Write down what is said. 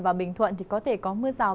và bình thuận thì có thể có mưa rào